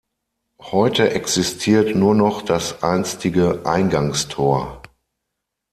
Heute existiert nur noch das einstige Eingangstor.